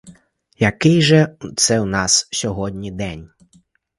Який же це у нас сьогодні день?